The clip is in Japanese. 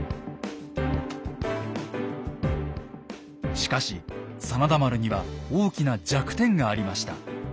しかし真田丸には大きな弱点がありました。